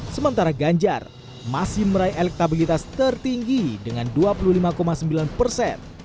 sementara ganjar masih meraih elektabilitas tertinggi dengan dua puluh lima sembilan persen